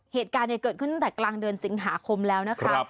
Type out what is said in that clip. เหตุการณ์เกิดขึ้นตั้งแต่กลางเดือนสิงหาคมแล้วนะคะ